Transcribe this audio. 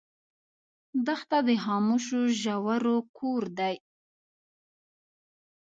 دښته د خاموشو ژورو کور دی.